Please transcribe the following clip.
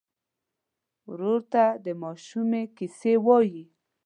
ورور ته د ماشومۍ کیسې وایې.